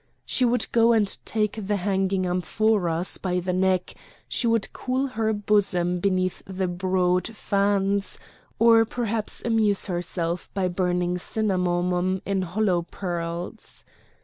She would go and take the hanging amphoras by the neck; she would cool her bosom beneath the broad fans, or perhaps amuse herself by burning cinnamomum in hollow pearls.